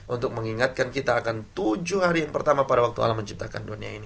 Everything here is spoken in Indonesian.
untuk mengingatkan kita akan tujuh hari yang pertama pada waktu alam menciptakan dunia ini